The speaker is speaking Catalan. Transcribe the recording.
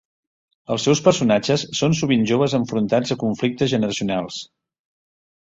Els seus personatges són sovint joves enfrontats a conflictes generacionals.